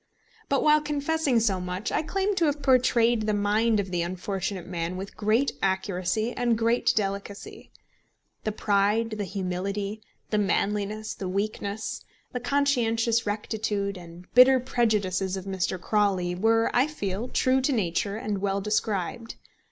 But while confessing so much, I claim to have portrayed the mind of the unfortunate man with great accuracy and great delicacy. The pride, the humility, the manliness, the weakness, the conscientious rectitude and bitter prejudices of Mr. Crawley were, I feel, true to nature and well described.